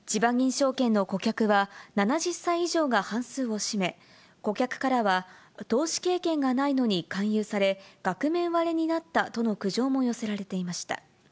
証券の顧客は、７０歳以上が半数を占め、顧客からは投資経験がないのに勧誘され、額面割れになったとの苦情も寄せられていました。